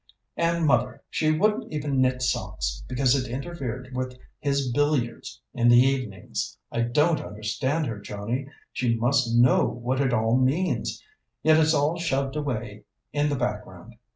"And mother she wouldn't even knit socks, because it interfered with his billiards in the evenings! I don't understand her, Johnnie. She must know what it all means, yet it's all shoved away in the background.